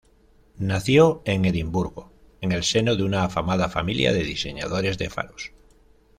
Nació en Edimburgo, en el seno de una afamada familia de diseñadores de faros.